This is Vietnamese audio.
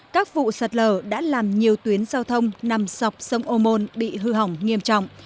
các vụ sạt lở đã làm nhiều tuyến giao thông nằm sọc sông ô môn bị hư hỏng nghiêm trọng